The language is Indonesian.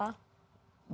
banyak kan yang ikut memiles